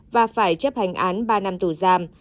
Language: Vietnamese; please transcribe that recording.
và phải chấp hành án ba năm tù giam